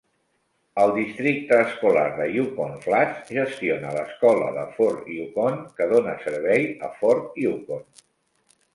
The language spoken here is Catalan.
El districte escolar de Yukon Flats gestiona l'escola de Fort Yukon que dóna servei a Fort Yukon.